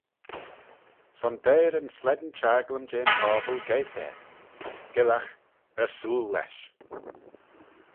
Son deiyr yn slane chaglym jeh'n pobble geiyrt er, gyllagh, Ersooyl lesh.